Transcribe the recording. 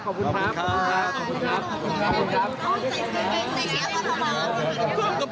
ขอบคุณครับ